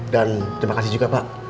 dan terima kasih juga pak